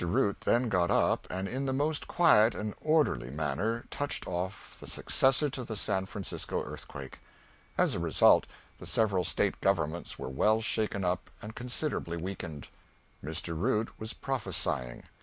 Root then got up and in the most quiet and orderly manner touched off the successor to the San Francisco earthquake. As a result, the several State governments were well shaken up and considerably weakened. Mr. Root was prophesying.